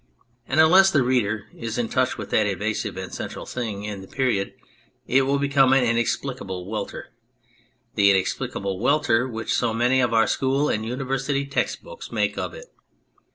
And unless the reader is in touch with that evasive and central thing in the period it becomes an inexplicable welter : the inexplicable welter which so many of our school and university text books make of it.